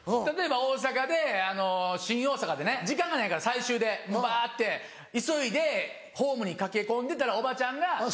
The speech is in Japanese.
例えば大阪で新大阪でね時間がないから最終でバって急いでホームに駆け込んでたらおばちゃんが。